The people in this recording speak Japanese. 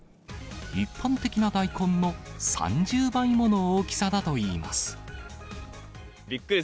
一般的な大根の３０倍もの大きさだといいます。